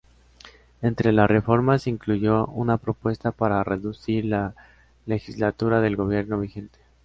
Entre las reformas se incluyó una propuesta para reducir la legislatura del gobierno vigente.